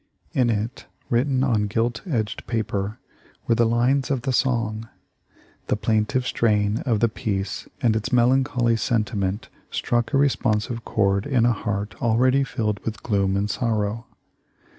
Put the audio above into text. In it, written on gilt edged paper, were the lines of the song. The plaintive strain of the piece and its melancholy sentiment struck a responsive chord in a heart already filled with gloom and sorrow.